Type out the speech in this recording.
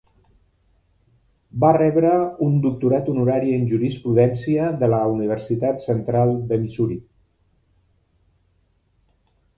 Va rebre un doctorat honorari en Jurisprudència de la Universitat Central de Missouri.